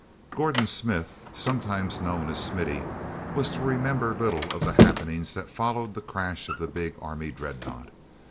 ordon Smith, sometimes known as Smithy, was to remember little of the happenings that followed the crash of the big Army dreadnought.